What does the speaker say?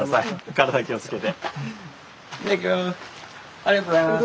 ありがとうございます。